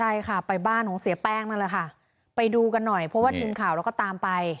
ใช่ค่ะไปบ้านของเสียแป้งนั่นแหละค่ะไปดูกันหน่อยเพราะว่าทีมข่าวเราก็ตามไป